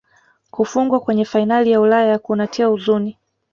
kufungwa kwenye fainali ya ulaya kunatia uzuni